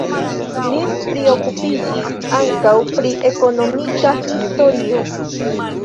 Li priokupiĝis ankaŭ pri ekonomika historio.